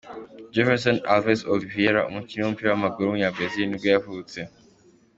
Jefferson Alves Oliveira, umukinnyi w’umupira w’amaguru w’umunyabrazil nibwo yavutse.